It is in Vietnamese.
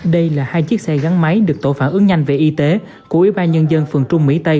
đây là hai chiếc xe gắn máy được tổ phản ứng nhanh về y tế của ủy ban nhân dân phường trung mỹ tây